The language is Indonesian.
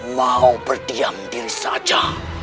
mau berdiam diri saja